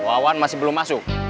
wawan masih belum masuk